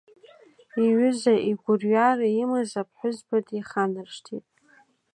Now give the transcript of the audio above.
Иҩыза игәырҩара имаз аԥҳәызба диханаршҭит.